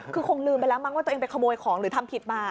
คือคงลืมไปแล้วมั้งว่าตัวเองไปขโมยของหรือทำผิดมา